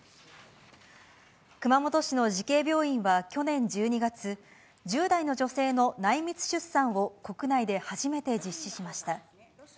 熊本市の慈恵病院は去年１２月、１０代の女性の内密出産を国内で初めて実施しました。